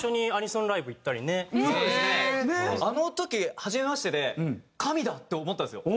あの時はじめましてで神だ！って思ったんですよ。